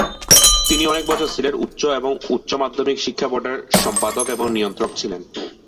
তিনি অনেক বছর সিলেট উচ্চ এবং উচ্চ মাধ্যমিক শিক্ষা বোর্ডের সম্পাদক এবং নিয়ন্ত্রক ছিলেন।